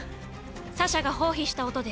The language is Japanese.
サシャが放屁した音です。